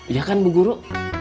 iya kan bu guru